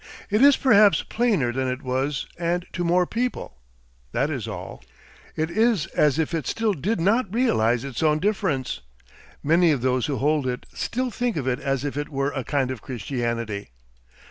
It is perhaps plainer than it was and to more people that is all. It is as if it still did not realise its own difference. Many of those who hold it still think of it as if it were a kind of Christianity.